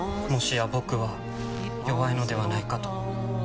もしや僕は弱いのではないかと。